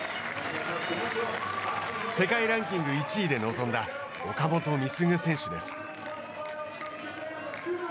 世界ランキング１位で臨んだ岡本碧優選手です。